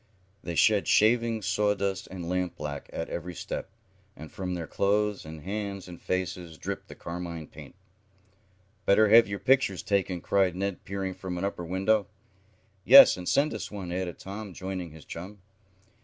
They shed shavings, sawdust and lampblack at every step, and from their clothes and hands and faces dripped the carmine paint. "Better have your pictures taken!" cried Ned, peering from an upper window. "Yes, and send us one," added Tom, joining his chum.